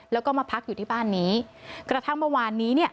แล้วก็มาพักอยู่ที่บ้านนี้กระทั่งเมื่อวานนี้เนี่ย